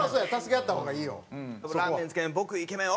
「ラーメンつけ麺僕イケメン！！